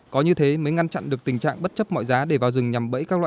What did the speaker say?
có như thế mới ngăn chặn được tình trạng bất chấp mọi giá để vào rừng nhằm bẫy các loại